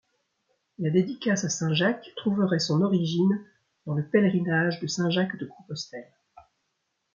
La dédicace à Saint-Jacques trouverait son origine dans le pèlerinage de Saint-Jacques-de-Compostelle.